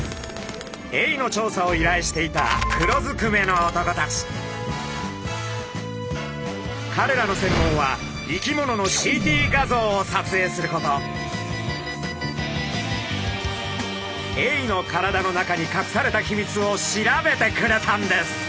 エイの調査をいらいしていたかれらの専門は生き物のエイの体の中に隠されたヒミツを調べてくれたんです！